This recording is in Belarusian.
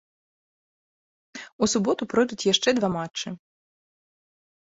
У суботу пройдуць яшчэ два матчы.